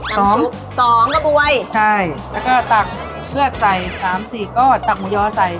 สองซุปสองกระบวยใช่แล้วก็ตักเลือดใส่สามสี่ก้อนตักยอใส่